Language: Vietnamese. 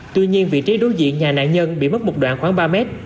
tuy nhiên vị trí đối diện nhà nạn nhân bị mất một đoạn khoảng ba mét